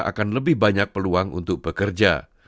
akan lebih banyak peluang untuk bekerja